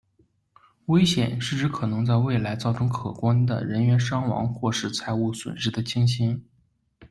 危险，是指可能在未来造成可观的人员伤亡或是财物损失的情形。